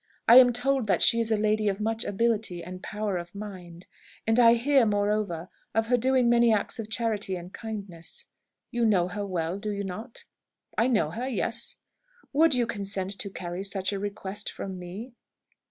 I am told that she is a lady of much ability and power of mind; and I hear, moreover, of her doing many acts of charity and kindness. You know her well, do you not?" "I know her. Yes." "Would you consent to carry such a request from me?"